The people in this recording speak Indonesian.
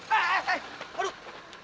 eh eh eh aduh